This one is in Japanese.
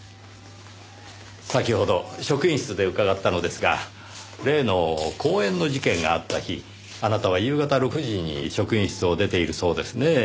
先ほど職員室で伺ったのですが例の公園の事件があった日あなたは夕方６時に職員室を出ているそうですねぇ。